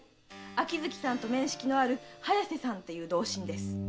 秋月さんと面識のある早瀬さんという同心です。